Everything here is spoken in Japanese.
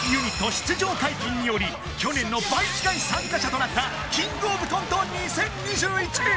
出場解禁により去年の倍近い参加者となったキングオブコント２０２１